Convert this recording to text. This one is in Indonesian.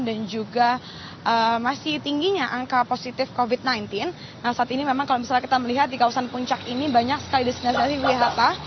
dan juga masih tingginya angka positif covid sembilan belas nah saat ini memang kalau misalnya kita melihat di kawasan puncak ini banyak sekali destinasi ulihata